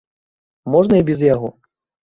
Можна і без яго.